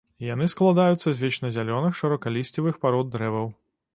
Яны складаюцца з вечназялёных шырокалісцевых парод дрэваў.